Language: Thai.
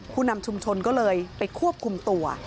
ผู้นำชุมชนก็เลยไปควบคุมตัว